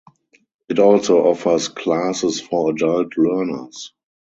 It also offers classes for adult learners.